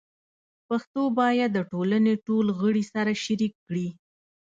پښتو باید د ټولنې ټول غړي سره شریک کړي.